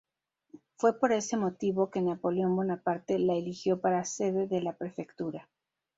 Fue por ese motivo que Napoleón Bonaparte la eligió para sede de la prefectura.